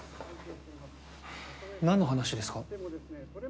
何の話ですか？